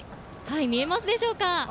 見えますでしょうか。